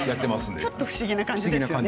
ちょっと不思議な感じですよね。